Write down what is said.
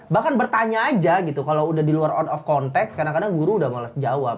bahkan bertanya aja gitu kalau udah di luar on of context kadang kadang guru udah males jawab